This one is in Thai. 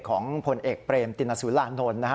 ของพลเอกเปรมติณสุรานนท์